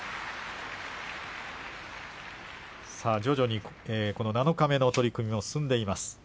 さあ徐々に、この七日目の取組も進んでいます。